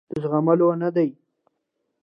د زغملو نه دي.